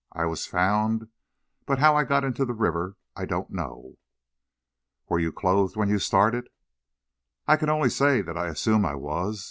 I was found, but how I got into the river, I don't know." "You were clothed when you started?" "I can only say that I assume I was.